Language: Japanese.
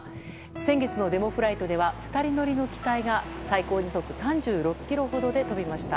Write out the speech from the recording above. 先月のデモフライトでは２人乗りの機体が最高速度３６キロほどで飛びました。